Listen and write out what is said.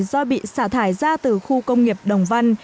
do bị xả thải ra từ khu công nghiệp đồng văn